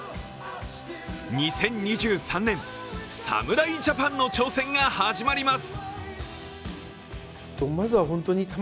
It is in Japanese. ２０２３年、侍ジャパンの挑戦が始まります。